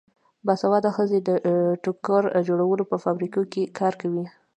باسواده ښځې د ټوکر جوړولو په فابریکو کې کار کوي.